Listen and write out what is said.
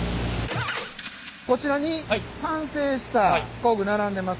こちらに完成した工具並んでます。